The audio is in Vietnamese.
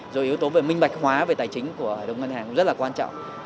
rồi yếu tố về minh bạch hóa về tài chính của hệ thống ngân hàng cũng rất là quan trọng